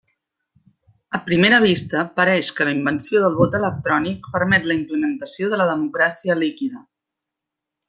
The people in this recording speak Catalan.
A primera vista, pareix que la invenció del vot electrònic permet la implementació de la democràcia líquida.